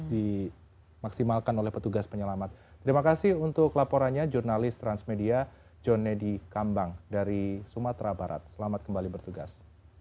dimaksimalkan oleh petugas penyelamat terima kasih untuk laporannya jurnalis transmedia john nedi kambang dari sumatera barat selamat kembali bertugas